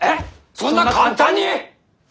そんな簡単に！？